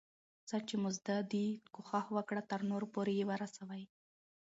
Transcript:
څه چي مو زده دي، کوښښ وکړه ترنور پورئې ورسوې.